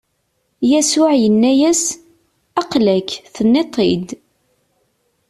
Yasuɛ inna-as: Aql-ak, tenniḍ-t-id!